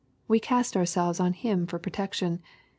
We cast ourselves on Him for protection.